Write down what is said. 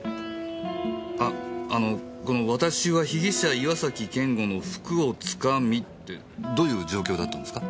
ああのこの「私は被疑者岩崎健吾の服をつかみ」ってどういう状況だったんですか？